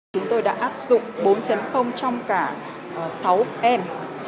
chúng tôi đã áp dụng bốn trong cả sáu em